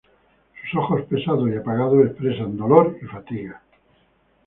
Sus ojos pesados y apagados expresan dolor y fatiga.